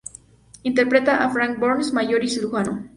Interpretaba a Frank Burns, mayor y cirujano.